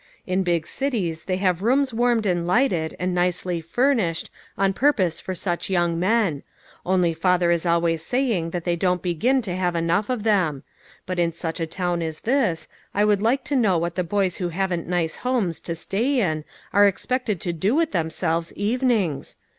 In big cities they have rooms warmed and lighted, and nicely furnished, on purpose for such young men ; only father is always saying that they don't begin to have enough of them ; but in such a town as this, I would like to know what the boys who haven't nice homes to stay in, are expected to do with themselves evenings?